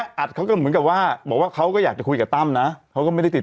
อัดเขาก็เหมือนกับว่าบอกว่าเขาก็อยากจะคุยกับตั้มนะเขาก็ไม่ได้ติด